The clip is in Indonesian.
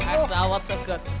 es dawat segar